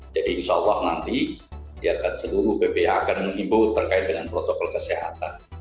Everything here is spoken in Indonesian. jadi insya allah nanti ya kan seluruh bpih akan menghibur terkait dengan protokol kesehatan